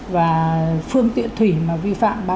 và phương tiện thủy mà vi phạm ba